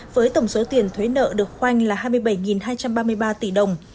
với tổng số tiền thuế nợ được khoanh là hai mươi bảy hai trăm ba mươi ba tỷ đồng